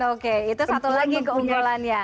oke itu satu lagi keunggulannya